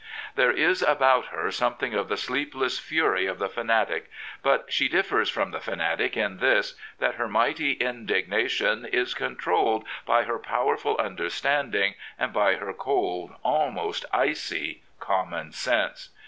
There is about her something of the sleepless fury of the fanatic ; but she differs from the fanatic in this, that her mighty indignation is controlled by her powerful understanding and by her cold, almost icy common sense.